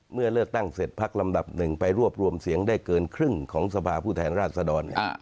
เมื่อเลือกตั้งเสร็จพักลำดับหนึ่งไปรวบรวมเสียงได้เกินครึ่งของสภาผู้แทนราชดร